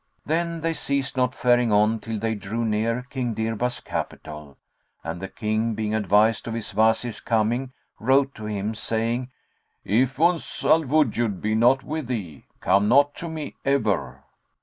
Then they ceased not faring on till they drew near King Dirbas's capital and the King, being advised of his Wazir's coming, wrote to him, saying, "If Uns al Wujud be not with thee, come not to me ever."